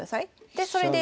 でそれで。